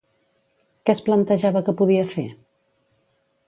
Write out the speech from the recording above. Què es plantejava que podia fer?